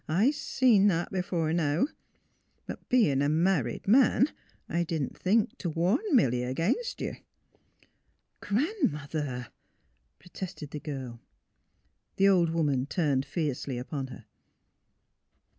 I see that b'fore now. But bein' a married man, I didn't think t' warn Milly against ye." " Gran 'mother! " protested the girl. The old woman turned fiercely upon her.